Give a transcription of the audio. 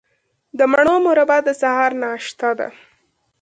د مڼو مربا د سهار ناشته ده.